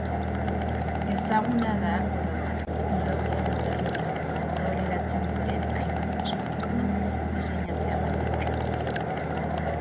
Ezaguna da, orobat, teknologia modernora aurreratzen ziren hainbat asmakizun diseinatzeagatik.